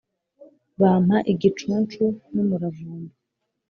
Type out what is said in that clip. bampa igicuncu n` umuravumba